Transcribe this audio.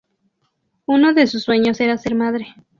Uno de sus sueños era ser madre.